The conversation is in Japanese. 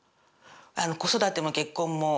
子育ても結婚も。